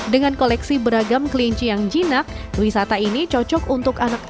dengan koleksi beragam kelinci yang jinak wisata ini cocok untuk anak anak